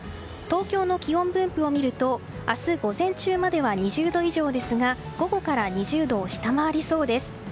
東京の気温分布を見ると明日午前中までは２０度以上ですが午後から２０度を下回りそうです。